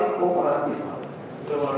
semua itu pak